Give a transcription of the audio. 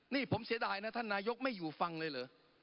นี่ผมเสียดายนะท่านนายกไม่อยู่ฟังเลยเหรอ